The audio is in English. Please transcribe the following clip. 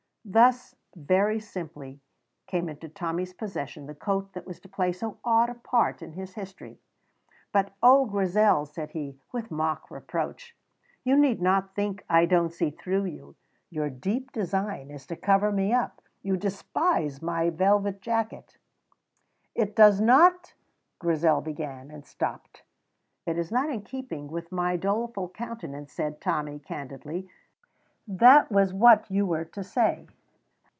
Thus very simply came into Tommy's possession the coat that was to play so odd a part in his history. "But oh, Grizel," said he, with mock reproach, "you need not think that I don't see through you! Your deep design is to cover me up. You despise my velvet jacket!" "It does not " Grizel began, and stopped. "It is not in keeping with my doleful countenance," said Tommy, candidly; "that was what you were to say.